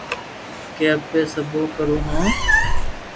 ڪي اپي سھي ڪرو ھون